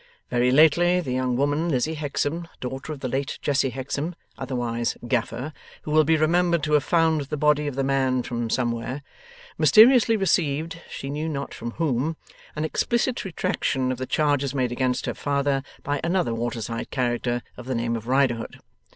Very lately, the young woman, Lizzie Hexam, daughter of the late Jesse Hexam, otherwise Gaffer, who will be remembered to have found the body of the man from somewhere, mysteriously received, she knew not from whom, an explicit retraction of the charges made against her father, by another water side character of the name of Riderhood.